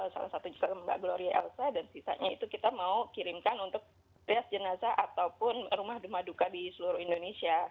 salah satu juga mbak gloria elsa dan sisanya itu kita mau kirimkan untuk rias jenazah ataupun rumah rumah duka di seluruh indonesia